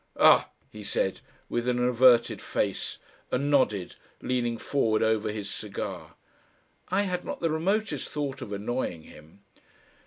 "Ah!" he said, with an averted face, and nodded, leaning forward over his cigar. I had not the remotest thought of annoying him.